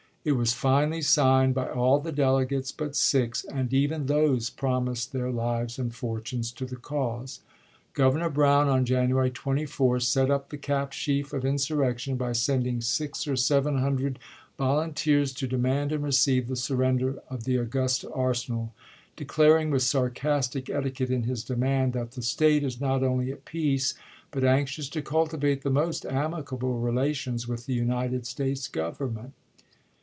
It was finally signed by all the delegates but six, and even those promised their lives and fortunes to the cause. Gov ernor Browu, on January 24, set up the cap sheaf of insurrection by sending six or seven hundred vol unteers to demand and receive the surrender of the Augusta arsenal, declaring with sarcastic etiquette in his demand that " the State is not only at peace, but anxious to cultivate the most amicable relations with the United States Government."